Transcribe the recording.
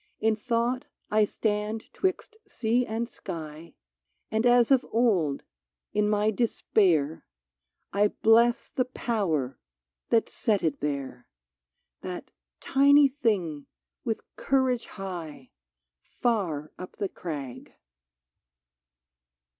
In thought I stand 'twixt sea and sky, 90 A LITTLE MINISTER And as of old, in my despair, I bless the Power that set it there That tiny thing with courage high, Far up the crag